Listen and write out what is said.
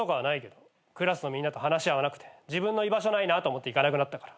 クラスのみんなと話合わなくて自分の居場所ないなと思って行かなくなったから。